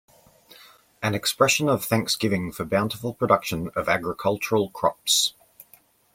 An expression of thanksgiving for bountiful production of agricultural crops.